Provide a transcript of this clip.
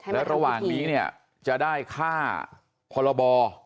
แล้วระหว่างนี้เนี่ยจะได้ค่าพรบ